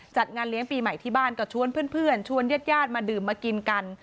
จัดงานเลี้ยงปีใหม่ที่บ้านก็ชวนเพื่อนชวนญาติญาติมาดื่มมากินกัน